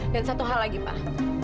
dan satu hal lagi pak